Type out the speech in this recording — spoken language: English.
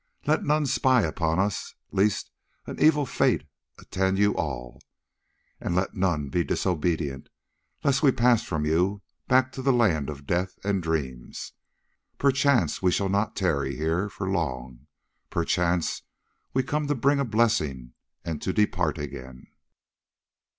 Let none spy upon us, lest an evil fate attend you all; and let none be disobedient, lest we pass from you back to the land of Death and Dreams. Perchance we shall not tarry here for long, perchance we come to bring a blessing and to depart again.